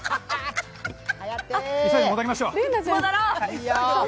急いで戻りましょう。